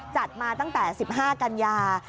จัดมาตั้งแต่๑๕กันยา